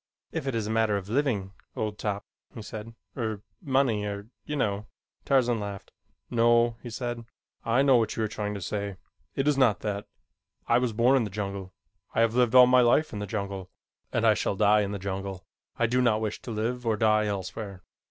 "If it is a matter of living, old top," he said, "er money, er you know " Tarzan laughed. "No," he said. "I know what you are trying to say. It is not that. I was born in the jungle. I have lived all my life in the jungle, and I shall die in the jungle. I do not wish to live or die elsewhere."